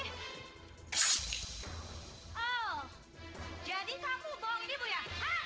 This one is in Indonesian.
oh jadi kamu bohong ini buya